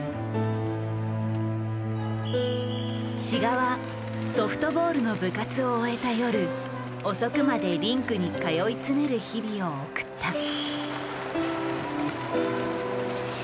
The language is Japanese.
志賀はソフトボールの部活を終えた夜遅くまでリンクに通い詰める日々を送った。